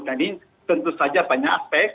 nah ini tentu saja banyak aspek